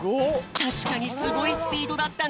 たしかにすごいスピードだったね。